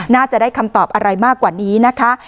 น่าจะได้คำตอบอะไรมากกว่านี้นะคะ